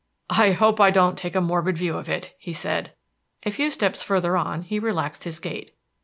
"I hope I don't take a morbid view of it," he said. A few steps further on he relaxed his gait.